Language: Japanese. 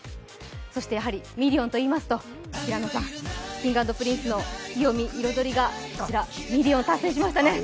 そしてやはりミリオンといいますと平野さん、Ｋｉｎｇ＆Ｐｒｉｎｃｅの「ツキヨミ／彩り」がミリオンを達成しましたね。